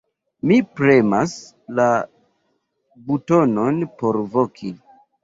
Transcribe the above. Mi premas la butonon por voki.